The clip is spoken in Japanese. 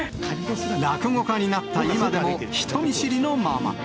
落語家になった今でも、人見知りのまま。